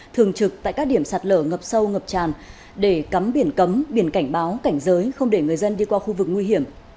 thường trực tại các điểm sạt lở ngập sâu ngập tràn để cấm biển cấm biển cảnh báo cảnh giới không để người dân đi qua khu vực nguy hiểm